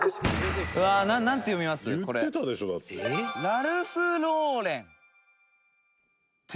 「ラルフローレン！」